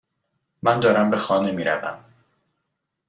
من دارم به خانه میروم.